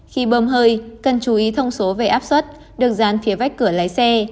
khi bơm hơi cần chú ý thông số về áp suất được dán phía vách cửa lái xe